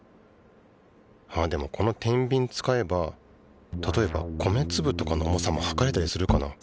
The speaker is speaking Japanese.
あでもこのてんびん使えば例えば米つぶとかの重さもはかれたりするかな？